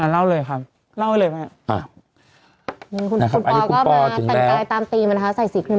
อะเล่าเลยครับเล่าให้แล้วแม่นะอ่ะก็มาใส่คลิมครีมอืม